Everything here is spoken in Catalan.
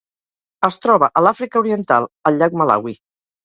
Es troba a l'Àfrica Oriental: el llac Malawi.